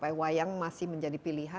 pasar di ansur kondeksiwa kita